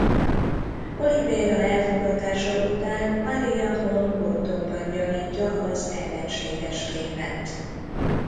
Olivera elfogatása után Maria Holm Gordonban gyanítja az ellenséges kémet.